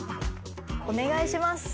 お願いします。